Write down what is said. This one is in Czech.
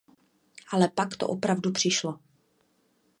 Ale pak to opravdu přišlo.